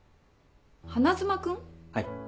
はい。